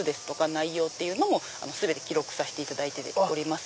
内容っていうのも全て記録させていただいてます。